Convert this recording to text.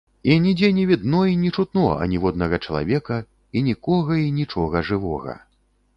І нідзе не відно і не чутно аніводнага чалавека і нікога і нічога жывога.